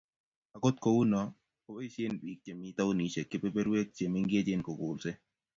akot kou noe, ko boisien biik chemi taunisiek kebeberwek chemengechen kokolse